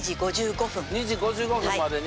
２時５５分までに。